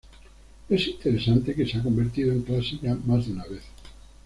Es interesante que se ha convertido en clásica más de una vez.